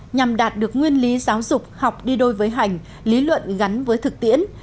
nhằm đạt được nguyên lý giáo dục học đi đôi với hành lý luận gắn với thực tiễn